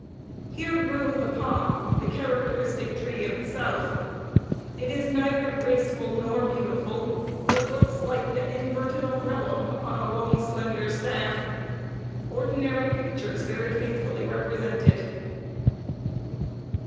Here grew the palm the characteristic tree of the South. It is neither graceful nor beautiful; but looks like an inverted umbrella upon a long, slender staff. Ordinary pictures very faithfully represent it.